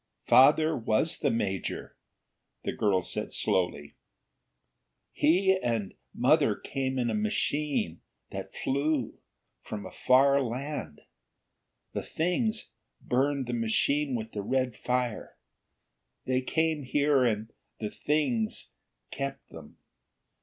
"Father was the major," the girl said slowly. "He and mother came in a machine that flew, from a far land. The Things burned the machine with the red fire. They came here and the Things kept them.